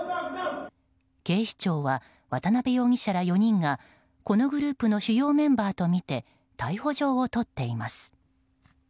警視庁は、渡辺容疑者ら４人がこのグループの主要メンバーとみて逮捕状を取っています。